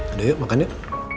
aduh yuk makan yuk